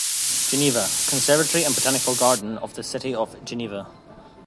Geneva: Conservatory and Botanical Garden of the City of Geneva.